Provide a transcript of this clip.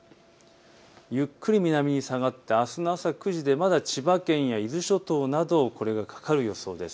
ゆっくり南に下がってあすの朝９時でまだ千葉県や伊豆諸島などこれがかかる予想です。